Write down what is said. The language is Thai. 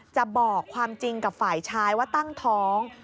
จะบอกความจริงกับฝ่ายชายว่าตั้งท้อง